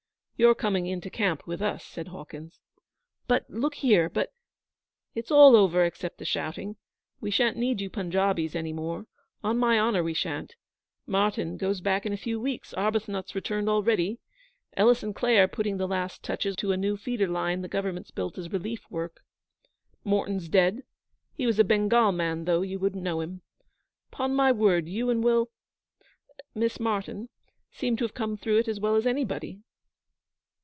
'You're coming into camp with us,' said Hawkins. 'But look here but ' 'It's all over except the shouting. We sha'n't need you Punjabis any more. On my honour, we sha'n't. Martyn goes back in a few weeks; Arbuthnot's returned already; Ellis and Clay are putting the last touches to a new feeder line the Government's built as relief work. Morten's dead he was a Bengal man, though; you wouldn't know him. 'Pon my word, you and Will Miss Martyn seem to have come through it as well as anybody.'